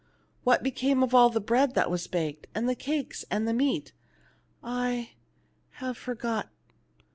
" What became of all the bread that was baked, and the cakes, and the meat ?" "I ŌĆö have forgot."